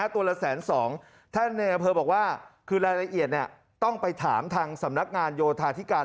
ตัวละ๑๒๐๐ท่านในอำเภอบอกว่าคือรายละเอียดต้องไปถามทางสำนักงานโยธาธิการ